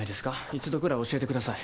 １度ぐらい教えてください。